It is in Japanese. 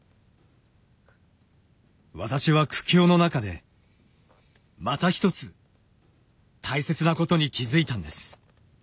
私は苦境の中でまた一つ大切なことに気づいたんです。